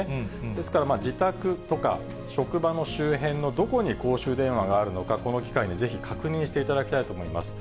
ですから自宅とか、職場の周辺のどこに公衆電話があるのか、この機会にぜひ確認していただきたいと思います。